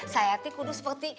saya teh kudu seperti